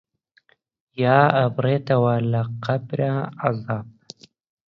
یا ئەبڕێتەوە لە قەبرا عەزاب